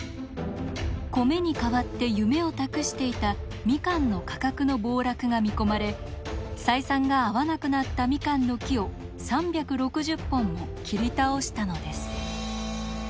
米に代わって夢を託していたみかんの価格の暴落が見込まれ採算が合わなくなったみかんの木を３６０本も切り倒したのです。